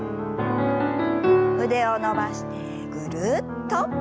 腕を伸ばしてぐるっと。